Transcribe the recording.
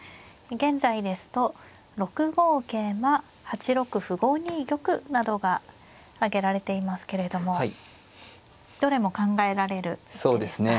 現在ですと６五桂馬８六歩５二玉などが挙げられていますけれどもどれも考えられる手ですか。